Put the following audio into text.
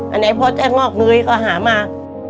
อันไหนพ่อแจ้งงอกเนยเขาหามา